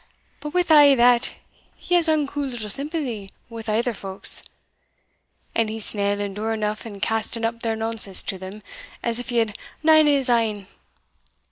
But wi' a' that, he has unco little sympathy wi' ither folks; and he's snell and dure eneugh in casting up their nonsense to them, as if he had nane o' his ain.